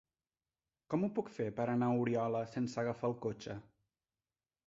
Com ho puc fer per anar a Oriola sense agafar el cotxe?